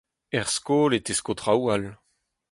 Er skol e tesko traoù all.